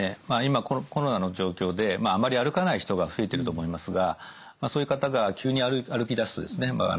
まあ今コロナの状況であんまり歩かない人が増えてると思いますがそういう方が急に歩きだすとですね